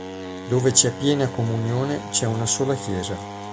Dove c'è piena comunione, c'è una sola Chiesa.